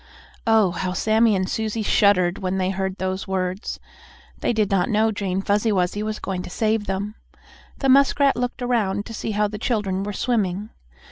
Oh, how Sammie and Susie shuddered when they heard those words! They did not know Jane Fuzzy Wuzzy was going to save them. The muskrat looked around to see how the children were swimming.